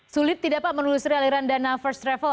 sulit tidak pak menelusuri aliran dana first travel